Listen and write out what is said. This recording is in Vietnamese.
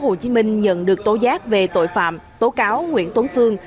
cơ quan cảnh sát điều tra công an tp hcm nhận được tố giác về tội phạm tố cáo nguyễn tuấn phương